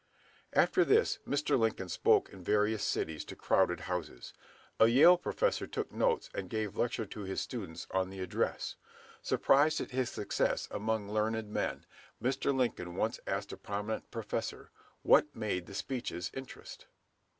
After this Mr. Lincoln spoke in various cities to crowded houses. A Yale professor took notes and gave a lecture to his students on the address. Surprised at his success among learned men, Mr. Lincoln once asked a prominent professor "what made the speeches interest?"